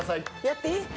やっていい？